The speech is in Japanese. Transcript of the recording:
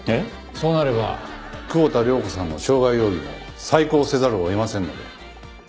そうなれば久保田涼子さんの傷害容疑も再考せざるを得ませんので。